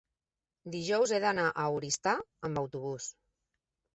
dijous he d'anar a Oristà amb autobús.